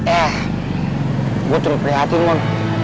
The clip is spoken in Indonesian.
eh gue terlalu prihatin mon